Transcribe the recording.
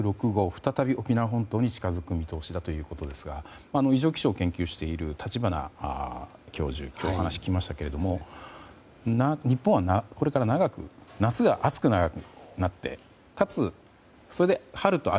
再び沖縄本島に近づく見通しだということですが異常気象を研究している立花教授に今日お話を聞きましたが日本はこれから長くますますお店の生ジョッキ新・生ジョッキ缶！